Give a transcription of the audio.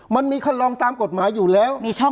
มันมีคันลองตามกฎหมายอยู่แล้ว